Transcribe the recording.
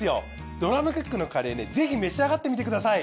ドラムクックのカレーねぜひ召し上がってみてください。